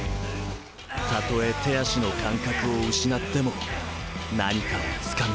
たとえ手足の感覚を失っても何かをつかみたい。